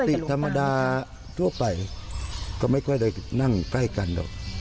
ติธรรมดาทั่วไปก็ไม่ค่อยได้นั่งใกล้กันหรอก